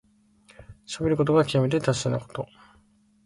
しゃべることがきわめて達者なこと。